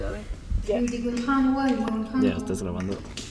ریډي ګل خان وویل مومن خان ته وګوره.